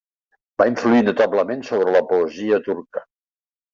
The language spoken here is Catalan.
Va influir notablement sobre la poesia turca.